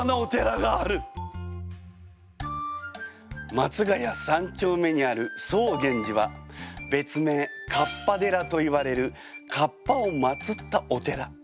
松が谷３丁目にある曹源寺は別名かっぱ寺といわれるかっぱを祭ったお寺。